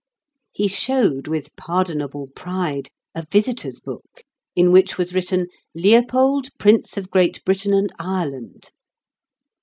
He showed, with pardonable pride, a visitors' book in which was written "Leopold, Prince of Great Britain and Ireland."